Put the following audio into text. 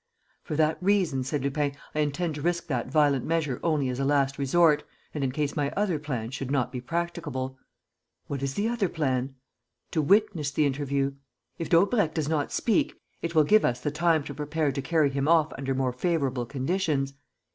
"For that reason," said Lupin, "I intend to risk that violent measure only as a last resort and in case my other plan should not be practicable." "What is the other plan?" "To witness the interview. If Daubrecq does not speak, it will give us the time to prepare to carry him off under more favourable conditions.